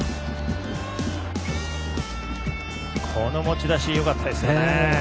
持ち出しよかったですよね。